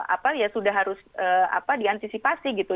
apa ya sudah harus diantisipasi gitu